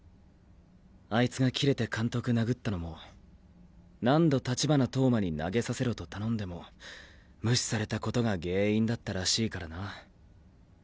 あいつがキレて監督殴ったのも何度立花投馬に投げさせろと頼んでも無視された事が原因だったらしいからな。